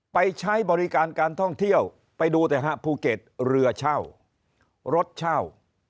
ใช้บริการการท่องเที่ยวไปดูแต่ฮะภูเก็ตเรือเช่ารถเช่า